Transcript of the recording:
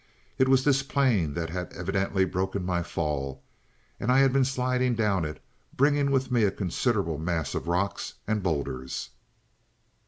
It was this plane that had evidently broken my fall, and I had been sliding down it, bringing with me a considerable mass of rocks and bowlders.